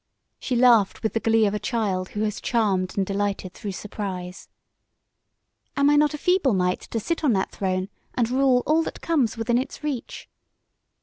She laughed with the glee of a child who has charmed and delighted through surprise. "Am I not a feeble mite to sit on that throne and rule all that comes within its reach?"